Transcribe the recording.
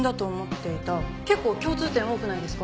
結構共通点多くないですか？